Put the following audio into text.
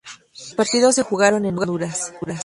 Los partidos se jugaron en Honduras.